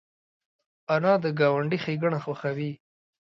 انا د ګاونډي ښېګڼه خوښوي